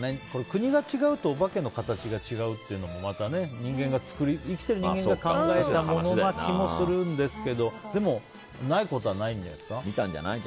国が違うとお化けの形が違うっていうのもまた生きてる人間が考えたものな気もするんですけどでも、ないことは見たんじゃない？